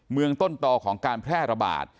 เมืองต้นต่อของการแพร่ระบาด